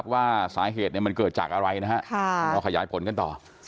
ว่าสาเหตุมันเกิดจากอะไรนะฮะรอขยายผลกันต่อ